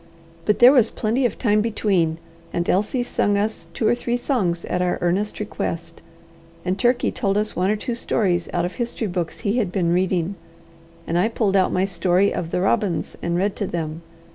But there was plenty of time between, and Elsie sung us two or three songs at our earnest request, and Turkey told us one or two stories out of history books he had been reading, and I pulled out my story of the Robins and read to them.